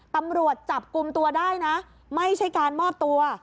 ตำรวจจับกลุ่มตัวได้นะไม่ใช่การมอบตัว